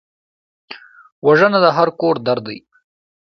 وژنه د هر کور درد دی